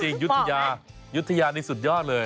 ใส่จริงยุทยานี่สุดยอดเลย